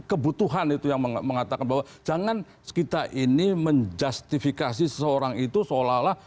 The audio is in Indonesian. kebutuhan itu yang mengatakan bahwa jangan kita ini menjustifikasi seseorang itu seolah olah